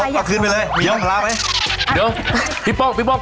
วงไปถึงกาแฟทุเรียเอาเอาขึ้นไปเลยมีกับประลาไปเดี๋ยว